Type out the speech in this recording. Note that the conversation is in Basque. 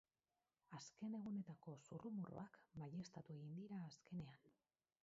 Azken egunetako zurrumurruak baieztatu egin dira azkenean.